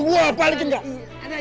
gua udah balikin tukang lu